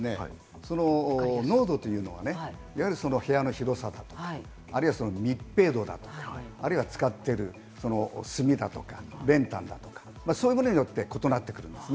濃度というのはね、部屋の広さだとか、あるいは密閉度だとか、使っている炭だとか練炭とかそういうものによって異なってきます。